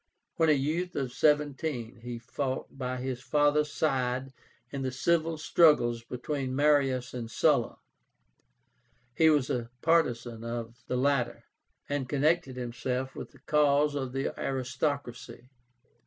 When a youth of seventeen he fought by his father's side in the civil struggles between Marius and Sulla. He was a partisan of the latter, and connected himself with the cause of the aristocracy.